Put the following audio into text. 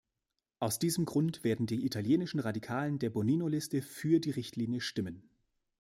Aus diesem Grund werden die italienischen Radikalen der Bonino-Liste für die Richtlinie stimmen.